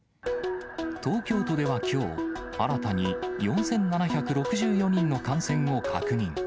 東京都ではきょう、新たに４７６４人の感染を確認。